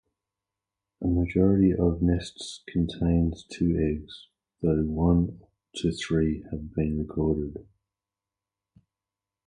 A majority of nests contains two eggs, though one to three have been recorded.